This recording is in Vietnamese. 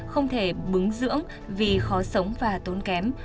không thể bứng dưỡng vì khó sống và tốn kém